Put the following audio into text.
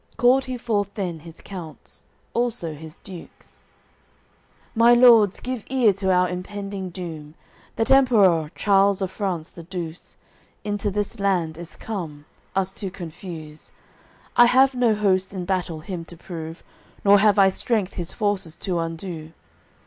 Called he forth then his counts, also his dukes: "My Lords, give ear to our impending doom: That Emperour, Charles of France the Douce, Into this land is come, us to confuse. I have no host in battle him to prove, Nor have I strength his forces to undo.